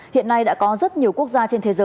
hiện nay đã có rất nhiều quốc gia trên thế giới